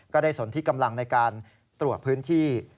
สนที่กำลังในการตรวจพื้นที่